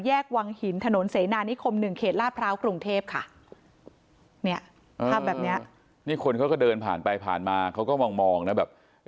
แยกวางหินถนนเสนานิคมหนึ่งเขตลาภราวกรุงเทพฯค่ะเนี้ยภาพแบบ